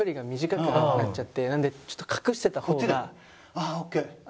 ああオッケー。